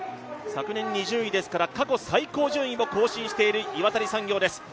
昨年２０位ですから過去最高順位を更新している岩谷です。